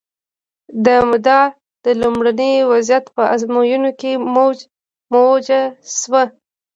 دا مدعا د لومړني وضعیت په ازموینو کې موجه شوه.